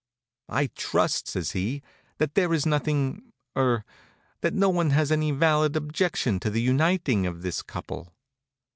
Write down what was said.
"I trust," says he, "that there is nothing er that no one has any valid objection to the uniting of this couple?"